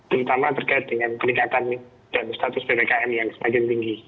terutama terkait dengan peningkatan dan status ppkm yang semakin tinggi